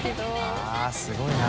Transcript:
あぁすごいな。